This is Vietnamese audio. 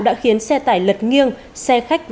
đã khiến xe tải lật nghiêng xe khách